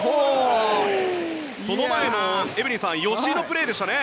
その前の、エブリンさん吉井のプレーでしたね。